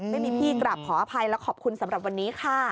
ไม่มีพี่กลับขออภัยและขอบคุณสำหรับวันนี้ค่ะ